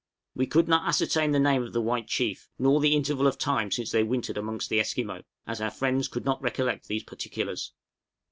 We could not ascertain the name of the white chief, nor the interval of time since they wintered amongst the Esquimaux, as our friends could not recollect these particulars.